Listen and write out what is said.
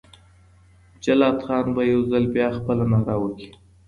جلات خان به یو ځل بیا خپله ناره وکړي.